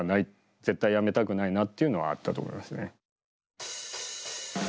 絶対やめたくないなっていうのはあったと思いますね。